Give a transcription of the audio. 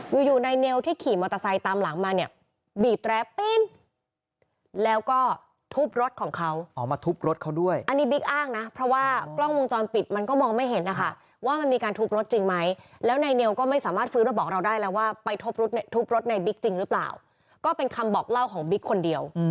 อยู่อยู่ในเนวที่ขี่มอเตอร์ไซค์ตามหลังมาเนี่ยบีบแร้ปีนแล้วก็ทุบรถของเขาออกมาทุบรถเขาด้วยอันนี้บิ๊กอ้างนะเพราะว่ากล้องวงจรปิดมันก็มองไม่เห็นนะคะว่ามันมีการทุบรถจริงไหมแล้วนายเนวก็ไม่สามารถฟื้นมาบอกเราได้แล้วว่าไปทุบรถทุบรถในบิ๊กจริงหรือเปล่าก็เป็นคำบอกเล่าของบิ๊กคนเดียว